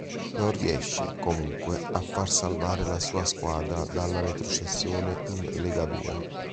Non riesce, comunque, a far salvare la sua squadra dalla retrocessione in Legadue.